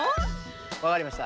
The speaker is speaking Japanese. わかりました。